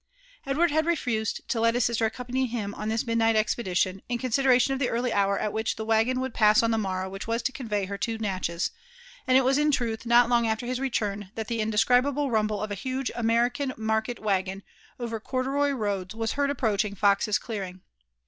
Edward bad refused to let his sister accompany him on this mid night expedition, in consideration of the early hour at which the waggon would pass on the morrow which was to convey her to Katchez ; and it was in truth not long after his return that the inde scribable rumble of a huge American market waggon, over corduroy roads, was heard approaching Fox's clearing.